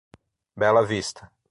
Bela Vista